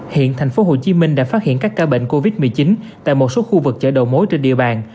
hiện tp hcm đã phát hiện các ca bệnh covid một mươi chín tại một số khu vực chợ đầu mối trên địa bàn